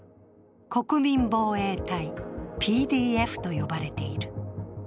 国民防衛隊＝ＰＤＦと呼ばれている。